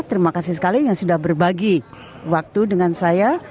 terima kasih sekali yang sudah berbagi waktu dengan saya